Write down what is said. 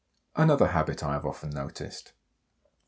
Another habit I have often noticed.